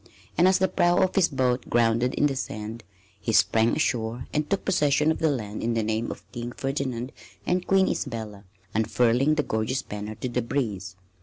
And as the prow of his boat grounded in the sand he sprang ashore and took possession of the land in the name of King Ferdinand and Queen Isabella, unfurling the gorgeous banner to the breeze.